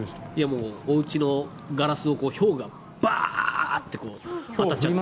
もうおうちのガラスをひょうがバーッて当たっちゃって。